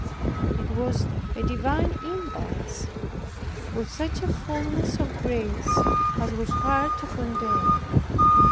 It was a divine impulse, with such a fulness of grace as was hard to contain.